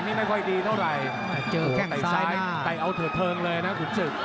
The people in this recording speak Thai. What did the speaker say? นี่ไม่ค่อยดีเท่าไหร่แตมงที่เทิงเลยนะคุณศึก